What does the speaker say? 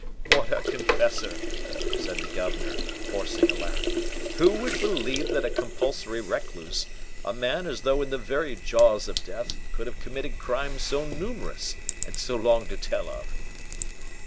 "What a confessor!" said the governor, forcing a laugh; "who would believe that a compulsory recluse, a man as though in the very jaws of death, could have committed crimes so numerous, and so long to tell of?"